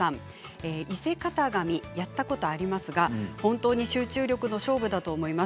伊勢型紙、やったことがありますが本当に集中力の勝負だと思います。